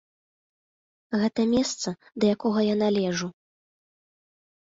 Гэта месца, да якога я належу.